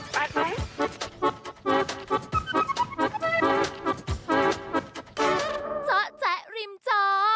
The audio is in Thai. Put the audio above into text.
เจาะแจ๊ะริมจอ